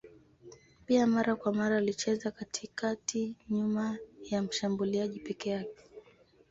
Pia mara kwa mara alicheza katikati nyuma ya mshambuliaji peke yake.